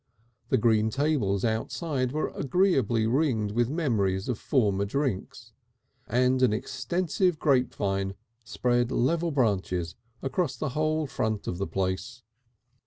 The green tables outside were agreeably ringed with memories of former drinks, and an extensive grape vine spread level branches across the whole front of the place.